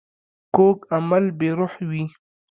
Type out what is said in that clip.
کوږ عمل بې روح وي